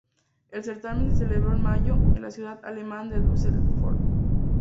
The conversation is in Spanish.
El certamen se celebró en mayo, en la ciudad alemana de Düsseldorf.